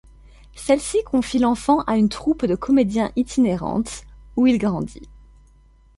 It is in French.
Celles-ci confient l'enfant à une troupe de comédiens itinérantes, où il grandit.